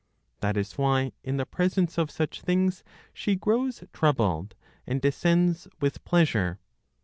That is why, in the presence of such things she grows troubled, and descends with pleasure.